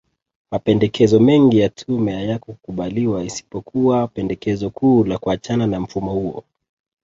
Mapendekezo mengi ya tume hayakukubaliwa isipokuwa pendekezo kuu la kuachana na mfumo huo